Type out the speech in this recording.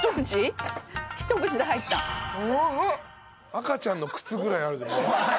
赤ちゃんの靴ぐらいある。